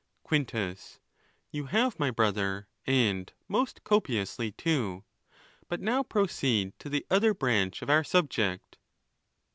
Quintus.—You have, my brother, and most copiously too ; but now proceed to the other branch of our subject.